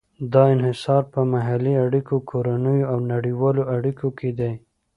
دا انحصار په محلي اړیکو، کورنیو او نړیوالو اړیکو کې دی.